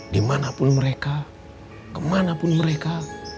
dimanapun mereka kemanapun mereka